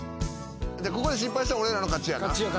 ここで失敗したら俺らの勝ちやな。